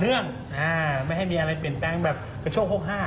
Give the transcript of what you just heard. เรื่องไม่ให้มีอะไรเปลี่ยนแปลงแบบกระโชค๖๕